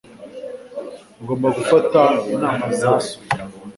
Ugomba gufata inama za so.